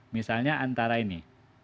misalnya antara ini